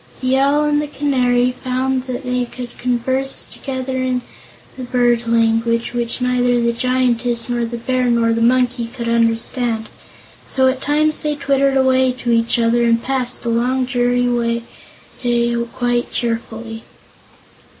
The Owl and the Canary found they could converse together in the bird language, which neither the Giantess nor the Bear nor the Monkey could understand; so at times they twittered away to each other and passed the long, dreary day quite cheerfully.